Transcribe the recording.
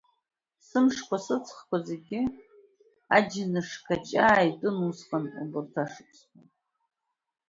Сымшқәа, сыҵхқәа зегьы аџьныш-қаҷаа итәын усҟан, убри ашықәсаны…